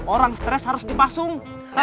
orang stres harus dipasung